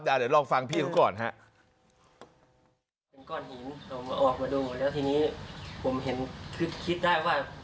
เดี๋ยวลองฟังพี่เขาก่อนฮะ